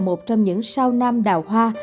một trong những sao nam đào hoa